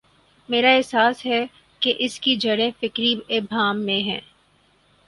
میرا احساس ہے کہ اس کی جڑیں فکری ابہام میں ہیں۔